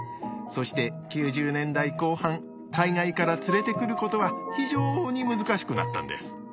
そして９０年代後半海外から連れてくることは非常に難しくなったんです。